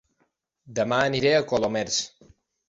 Dema aniré a Colomers